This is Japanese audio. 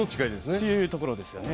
というところですよね。